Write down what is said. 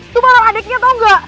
lu malem adeknya tau ga